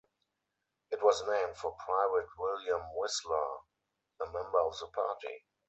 It was named for Private William Whisler, a member of the party.